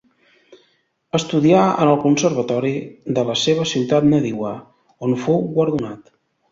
Estudià en el Conservatori de la seva ciutat nadiua, on fou guardonat.